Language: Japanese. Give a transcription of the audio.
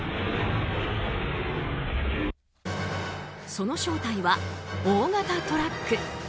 その正体は、大型トラック。